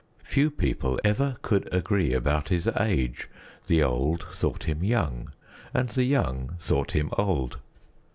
Few people ever could agree about his age; the old thought him young, and the young thought him old.